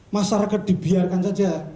masyarakat dibiarkan saja